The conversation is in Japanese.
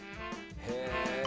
へえ。